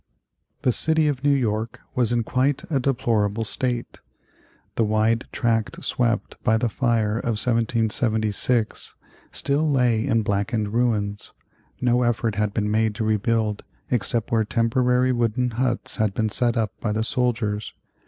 The city of New York was in quite a deplorable state. The wide tract swept by the fire of 1776 still lay in blackened ruins. No effort had been made to rebuild except where temporary wooden huts had been set up by the soldiers.